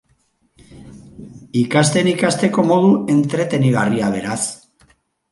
Ikasten ikasteko modu entretenigarria, beraz.